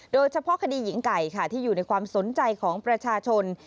โดยเฉพาะคดีหญิงไก่ค่ะที่อยู่ในความสนใจของประชาชน